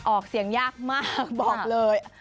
ออกเสียงยากมากบอกเลย